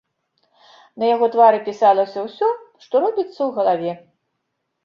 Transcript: На яго твары пісалася ўсё, што робіцца ў галаве.